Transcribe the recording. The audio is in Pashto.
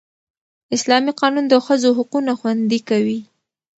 اسلامي قانون د ښځو حقونه خوندي کوي